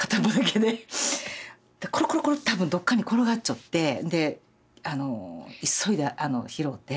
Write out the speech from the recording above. コロコロコロって多分どっかに転がっちょってであの急いで拾って。